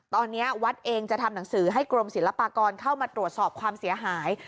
ตอนนี้วัดเองจะทำหนังสือให้กรมศิลปากรเข้ามาตรวจสอบความเสียหาย